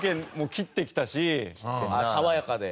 爽やかで。